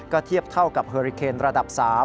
เทียบเท่ากับเฮอริเคนระดับ๓